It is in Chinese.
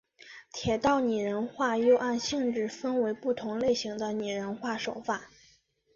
铁道拟人化又按性质分为不同类型的拟人化手法。